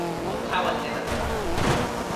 o tawa nena noka!